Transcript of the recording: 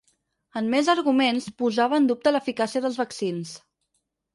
En més arguments, posava en dubte l’eficàcia dels vaccins.